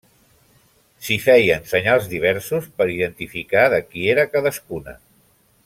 S'hi feien senyals diversos per identificar de qui era cadascuna.